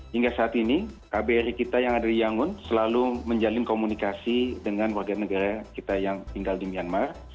hingga saat ini kbri kita yang ada di yangon selalu menjalin komunikasi dengan warga negara kita yang tinggal di myanmar